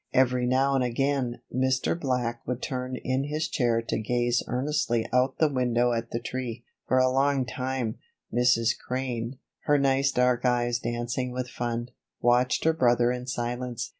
Every now and again, Mr. Black would turn in his chair to gaze earnestly out the window at the tree. For a long time, Mrs. Crane, her nice dark eyes dancing with fun, watched her brother in silence.